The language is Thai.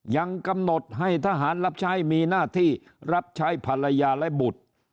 ยังกำหนดให้ทหารรับใช้มีหน้าที่รับใช้ภรรยาและบุตร